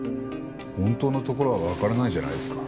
本当のところはわからないじゃないですか。